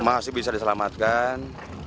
masih bisa diselamatkan